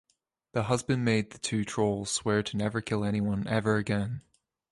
The husband made the two trolls swear to never kill anyone ever again.